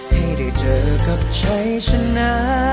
ให้ได้เจอกับชัยชนะ